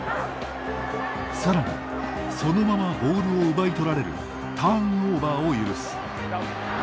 さらにそのままボールを奪いとられるターンオーバーを許す。